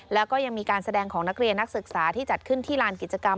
แล้วก็ยังมีการแสดงของนักเรียนนักศึกษาที่จัดขึ้นที่ลานกิจกรรม